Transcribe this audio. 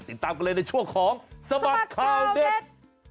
ติดตามกันเลยในช่วงของสบัดข่าวเด็ด